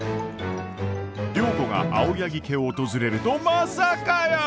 良子が青柳家を訪れるとまさかやー！